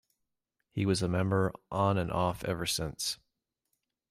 He was a member on and off ever since.